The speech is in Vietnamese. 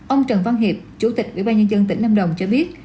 ông trần văn hiệp chủ tịch ủy ban nhân dân tỉnh lâm đồng cho biết